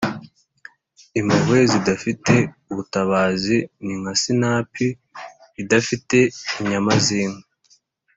impuhwe zidafite ubutabazi ni nka sinapi idafite inyama zinka